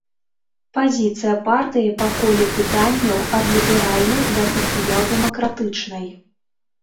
Пазіцыя партыі па коле пытанняў, ад ліберальнай да сацыял-дэмакратычнай.